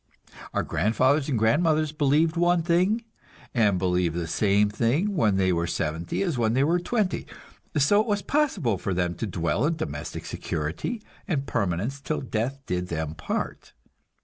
Our grandfathers and grandmothers believed one thing, and believed the same thing when they were seventy as when they were twenty; so it was possible for them to dwell in domestic security and permanence till death did them part.